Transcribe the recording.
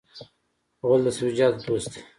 غول د سبزیجاتو دوست دی.